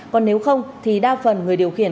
còn nếu không thì đa phần người điều khiển